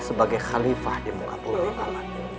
sebagai khalifah di muka pulih